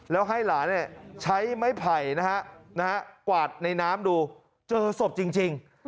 แล้วให้หลานใช้ไม้ไผ่นะฮะกวาดในน้ำดูเจอศพจริง